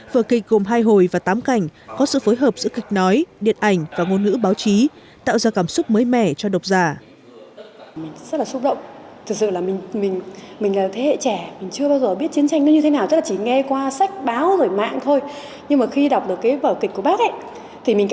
vợ kịch gồm hai hồi và tám cảnh có sự phối hợp giữa kịch nói điện ảnh và ngôn ngữ báo chí